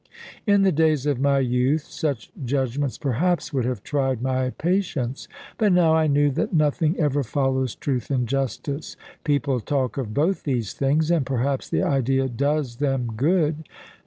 In the days of my youth such judgments perhaps would have tried my patience; but now I knew that nothing ever follows truth and justice. People talk of both these things, and perhaps the idea does them good.